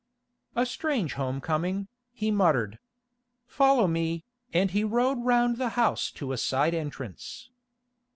"A strange home coming," he muttered. "Follow me," and he rode round the house to a side entrance.